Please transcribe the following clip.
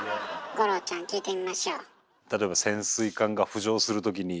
五郎ちゃん聞いてみましょう。